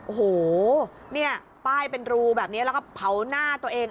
โอ้โหเนี่ยป้ายเป็นรูแบบนี้แล้วก็เผาหน้าตัวเอง